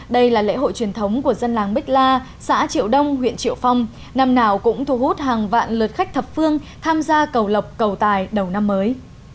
đây là lễ hội truyền thống của dân làng bích la xã triệu đông huyện triệu phong năm nào cũng thu hút hàng vạn lượt khách thập phương tham gia cầu lộc cầu tài đầu năm mới